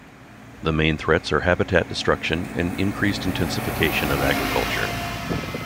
The main threats are habitat destruction and increased intensification of agriculture.